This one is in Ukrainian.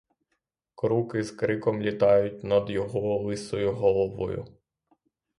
Круки з криком літають над його лисою головою.